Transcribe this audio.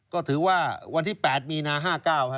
ก็ถือว่าวันที่๘มีนา๕๙